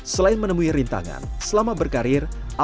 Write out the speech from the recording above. selain menemui rintangan selama berkarir